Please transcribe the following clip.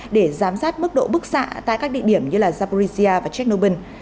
để giám sát mức độ bức xạ tại các địa điểm như zaporizhia và chechnobyl